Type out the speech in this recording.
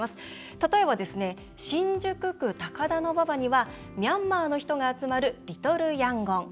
例えば、新宿区高田馬場にはミャンマーの人が集まるリトル・ヤンゴン。